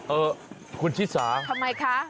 เออคุณชิสาทำไมคะ